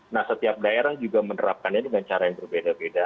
nah setiap daerah juga menerapkannya dengan cara yang berbeda beda